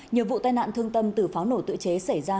nhiều vụ tai nạn thương tâm từ pháo nổ tự chế xảy ra